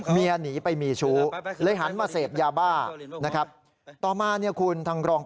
เมียหนีไปมีชู้เลยหันมาเศษยาบ้านะครับ